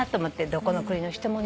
どこの国の人もね。